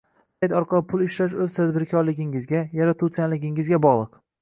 Sayt orqali pul ishlash o’z tadbirkorligingizga, yaratuvchanligingizga bog’liq